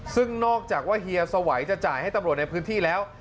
ซึ่งนอกจากว่าเฮียสวัยจะจ่ายให้ตำรวจในพื้นที่แล้ว